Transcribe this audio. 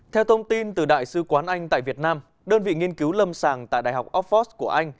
theo thông tin từ đại sứ quán anh tại việt nam đơn vị nghiên cứu lâm sàng tại đại học oxford của anh